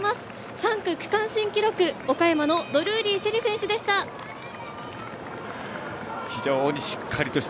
３区、区間新記録岡山のドルーリー朱瑛里選手でした。